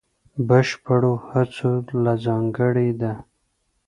بشپړو هڅو له ځانګړې ده.